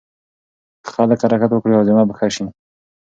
که خلک حرکت وکړي هاضمه به ښه شي.